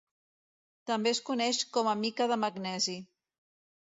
També es coneix com a mica de magnesi.